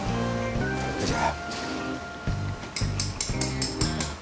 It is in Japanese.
じゃあ。